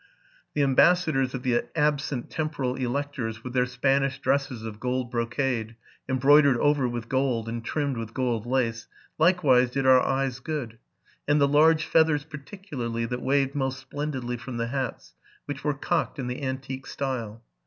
The ambassadors of the absent temporal elect ors, with their Spanish dresses of gold brocade, embroid ered over with gold, and trimmed with gold lace, likewise did our eyes good; and the large feathers particularly, that waved most splendidly from the hats, which were cocked in the antique style.